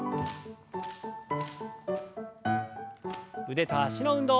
腕と脚の運動。